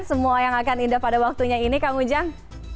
semua yang akan indah pada waktunya ini kang ujang